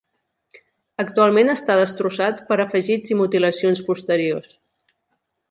Actualment està destrossat per afegits i mutilacions posteriors.